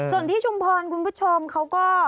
ส่วนที่ชุมพรคุณผู้ชมเขาก็